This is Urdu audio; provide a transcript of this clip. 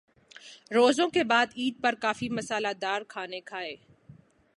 روزوں کے بعد عید پر کافی مصالحہ دار کھانے کھائے۔